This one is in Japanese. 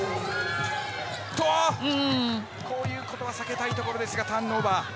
こういうことは避けたいところですがターンオーバー。